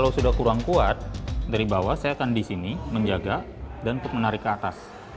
kalau sudah kurang kuat dari bawah saya akan di sini menjaga dan untuk menarik ke atas